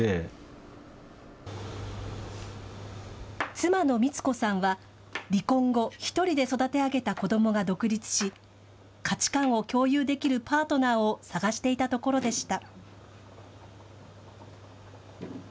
妻のミツコさんは離婚後、１人で育て上げた子どもが独立し価値観を共有できるパートナーを探していたところでした。